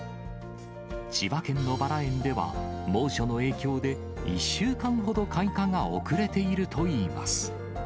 千葉県のバラ園では、猛暑の影響で１週間ほど開花が遅れているといいます。